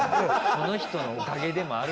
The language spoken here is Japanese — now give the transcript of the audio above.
その人のおかげでもある。